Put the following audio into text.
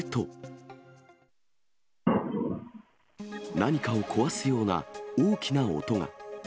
何かを壊すような、大きな音が。